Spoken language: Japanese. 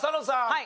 はい。